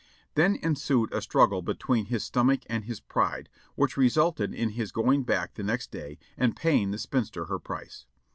Then ensued a struggle between his stomach and his pride, which resulted in his going back the next day and paying the spinster her price.